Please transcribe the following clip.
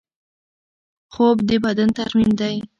خوب د بدن ترمیم دی.